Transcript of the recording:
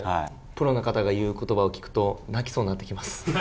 プロの方が言うことばを聞くと、泣きそうになってきます。